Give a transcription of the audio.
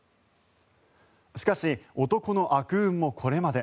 しかし、男の悪運もこれまで。